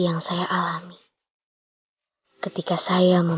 lebih tua lebih the same